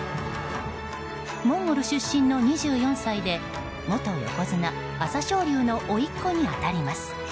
モンゴル出身の２４歳で元横綱・朝青龍のおいっ子に当たります。